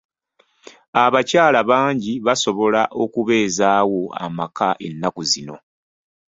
Abakyala bangi basobola okubeezawo amaka ennaku zino .